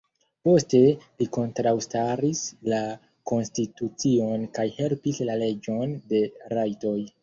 Poste, li kontraŭstaris la konstitucion kaj helpis la leĝon de rajtoj.